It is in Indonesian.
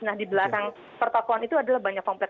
nah di belakang pertokohan itu adalah banyak kompleks